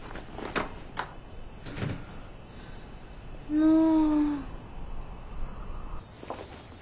もう。